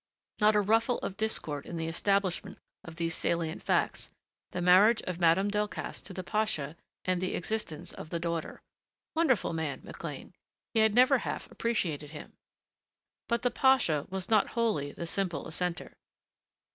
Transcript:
Not a ruffle of discord in the establishment of these salient facts the marriage of Madame Delcassé to the pasha and the existence of the daughter. Wonderful man McLean. He had never half appreciated him. But the pasha was not wholly the simple assenter.